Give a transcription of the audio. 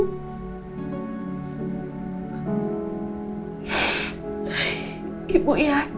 dan begitu sayang sama ibu